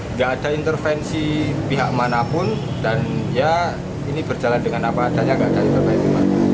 nggak ada intervensi pihak manapun dan ya ini berjalan dengan apa adanya nggak ada intervensi